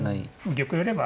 玉寄れば。